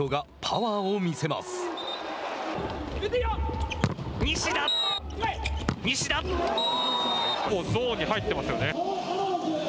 ゾーンに入っていますよね。